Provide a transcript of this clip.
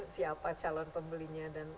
siapa calon pembelinya dan